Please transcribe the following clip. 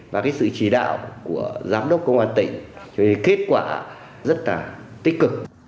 và cái sự chỉ đạo của giám đốc công an tỉnh kết quả rất là tích cực